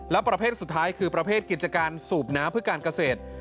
และประเภทสุดท้ายคือประเภทกิจการสูบน้ำเพื่อการเกษตร